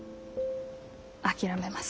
諦めます。